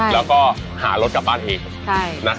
แล้วก็หารถกลับบ้านเอง